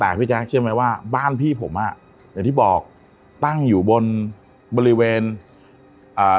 พี่แจ๊คเชื่อไหมว่าบ้านพี่ผมอ่ะอย่างที่บอกตั้งอยู่บนบริเวณอ่า